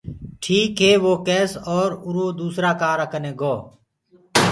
ٺيڪ هي وه ڪيس اور اُرو دوُسرآ ڪآرآ ڪني گو۔